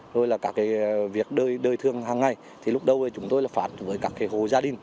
rồi là các việc đời thương hàng ngày thì lúc đầu chúng tôi phản với các hồ gia đình